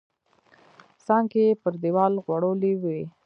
څانګې یې پر دیوال غوړولي وې.